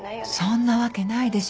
そんなわけないでしょ。